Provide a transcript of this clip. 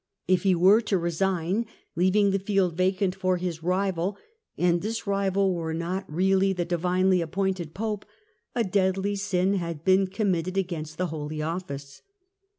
If he were to resign, leaving the field vacant for his rival, and this rival were not really the divinely appointed Pope, a deadly sin had been committed against the holy office.